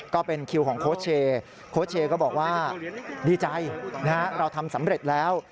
ก็เป็นคิวของโค้ชเชโค้ชเชย์ก็บอกว่าดีใจเราทำสำเร็จแล้ว